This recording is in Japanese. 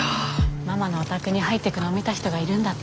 ママのお宅に入ってくのを見た人がいるんだって。